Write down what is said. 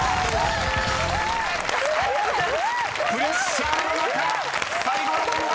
［プレッシャーの中最後の問題